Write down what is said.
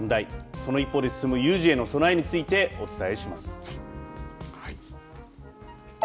その一方で進む有事への備えについてお伝えします。